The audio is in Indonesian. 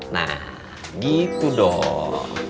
nah gitu dong